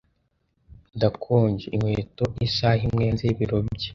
Nakonje inkweto isaha imwe hanze y'ibiro bye.